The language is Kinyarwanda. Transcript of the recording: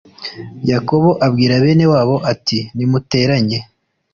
Yakobo abwira bene wabo ati nimuteranye